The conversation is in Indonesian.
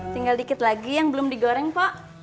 tinggal dikit lagi yang belum digoreng pak